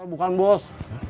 saya bukan bos